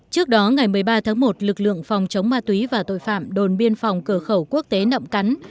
trước đó ngày một mươi ba tháng một lực lượng phòng chống ma túy và tội phạm đồn biên phòng cửa khẩu quốc tế nậm cắn